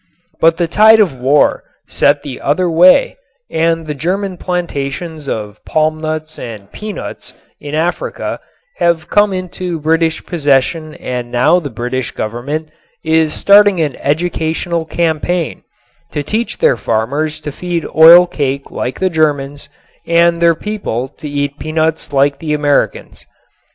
But the tide of war set the other way and the German plantations of palmnuts and peanuts in Africa have come into British possession and now the British Government is starting an educational campaign to teach their farmers to feed oil cake like the Germans and their people to eat peanuts like the Americans.